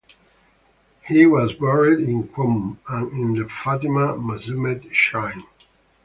He was buried in Qom and in the Fatima Masumeh Shrine.